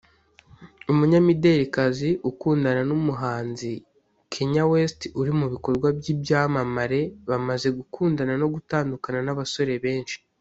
Umunyamiderikazi ukundana n’umuhanzi Kanye West uri mu bakobwa b’ibyamamare bamaze gukundana no gutandukana n’abasore benshi